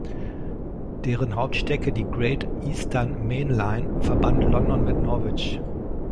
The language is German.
Deren Hauptstrecke, die Great Eastern Main Line, verband London mit Norwich.